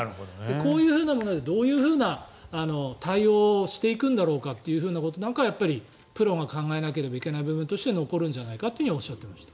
こういうものでどういう対応をしていくんだろうかということはやっぱりプロが考えなければいけない部分として残るんじゃないかとおっしゃっていました。